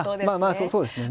まあそうですね。